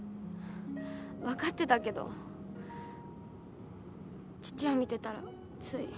分かってたけど父を見てたらつい。